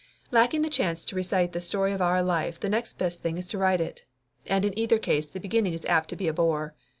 Lacking the chance to recite the story of our life the next best thing is to write it. And in either case the beginning is apt to be a bore.